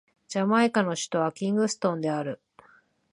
ジャマイカの首都はキングストンである